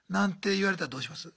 言われたらどうします？